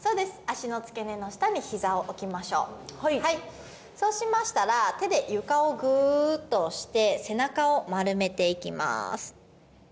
脚の付け根の下に膝を置きましょうそうしましたら手で床をグーッと押して背中を丸めていきます